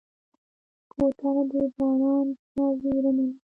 کوتره د باران نه ویره نه لري.